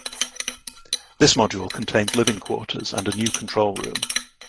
This module contains living quarters and a new control room.